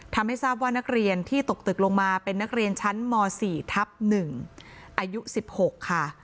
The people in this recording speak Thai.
ทำให้ทราบว่านักเรียนที่ตกตึกลงมาเป็นนักเรียนชั้นม๔ทับ๑อายุ๑๖ค่ะ